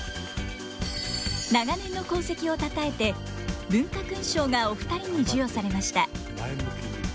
長年の功績をたたえて文化勲章がお二人に授与されました。